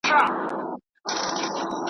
داسې راڅرګندیږي